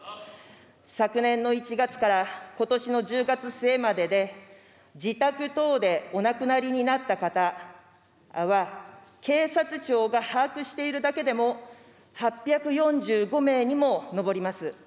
昨年の１月からことしの１０月末までで、自宅等でお亡くなりになった方は、警察庁が把握してるだけでも、８４５名にも上ります。